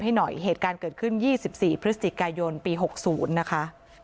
ให้หน่อยเหตุการเกิดขึ้นยี่สิบสี่พฤศจิกายนปีหกศูนย์นะคะ